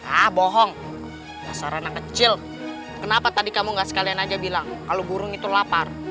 ah bohong pasar anak kecil kenapa tadi kamu gak sekalian aja bilang kalau burung itu lapar